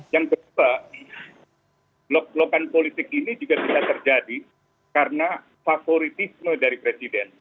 yang kedua blok blokan politik ini juga bisa terjadi karena favoritisme dari presiden